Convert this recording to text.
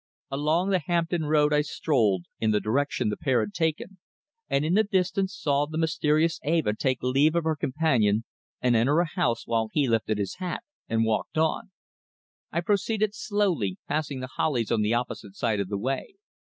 Along the Hampton Road I strolled in the direction the pair had taken, and in the distance saw the mysterious Eva take leave of her companion and enter a house, while he lifted his hat and walked on. I proceeded slowly, passing The Hollies on the opposite side of the way.